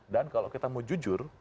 dan kalau kita mau jujur